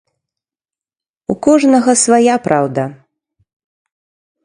У кожнага свая праўда.